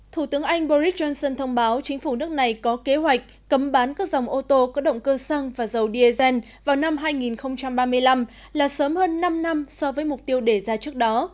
thủ tướng anh boris johnson thông báo chính phủ nước này có kế hoạch cấm bán các dòng ô tô có động cơ xăng và dầu diesel vào năm hai nghìn ba mươi năm là sớm hơn năm năm so với mục tiêu để ra trước đó